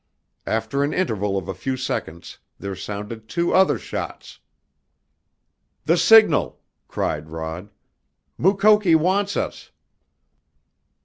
After an interval of a few seconds there sounded two other shots. "The signal!" cried Rod. "Mukoki wants us!"